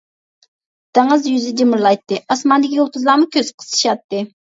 دېڭىز يۈزى جىمىرلايتتى، ئاسماندىكى يۇلتۇزلارمۇ كۆز قىسىشاتتى.